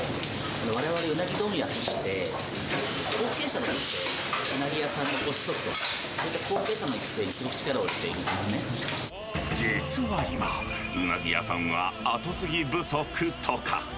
われわれウナギ問屋として、後継者のうなぎ屋さんのご子息、後継者の育成にすごく力を入れて実は今、ウナギ屋さんは後継ぎ不足とか。